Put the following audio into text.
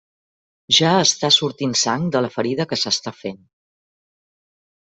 Ja està sortint sang de la ferida que s'està fent.